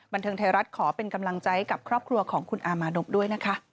บันเทิงไทยรัฐขอเป็นกำลังใจกับครอบครัวของคุณอามานพด้วยนะคะ